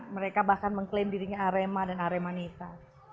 mereka bahkan mengklaim dirinya arema dan aremanita